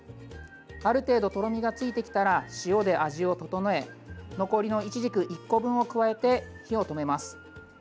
ある程度とろみがついてきたら塩で味を調え残りのいちじく１個分を加えて火を止めます。